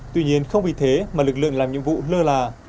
tuy nhiên không vì thế mà lực lượng làm nhiệm vụ lơ là